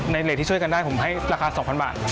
เลสที่ช่วยกันได้ผมให้ราคา๒๐๐บาท